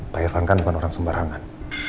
pak irvan kan bukan orang sembarangan